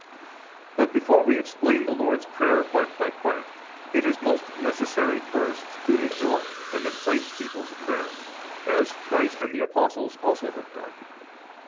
4 But before we explain the Lord's Prayer part by part, it is most necessary first to exhort and incite people to prayer, as Christ and the apostles also have done.